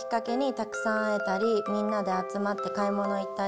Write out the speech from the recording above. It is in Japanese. たくさん会えたりみんなで買い物行ったり